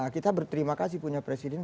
kita berterima kasih punya presiden